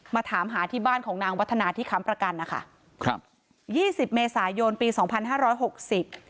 มาถามหาที่บ้านของนางวัฒนาที่ค้ำประกันนะคะครับยี่สิบเมษายนปีสองพันห้าร้อยหกสิบ